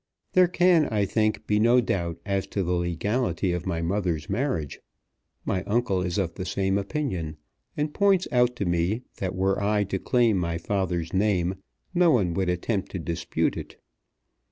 There can, I think, be no doubt as to the legality of my mother's marriage. My uncle is of the same opinion, and points out to me that were I to claim my father's name no one would attempt to dispute it.